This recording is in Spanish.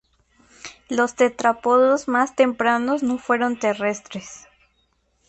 Los tetrápodos más tempranos no fueron terrestres.